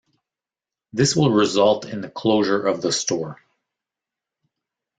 This will result in the closure of the store.